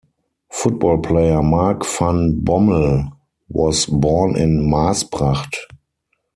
Football player Mark van Bommel was born in Maasbracht.